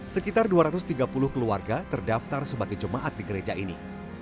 sekitar dua ratus tiga puluh keluarga terdaftar sebagai jemaat di gereja ini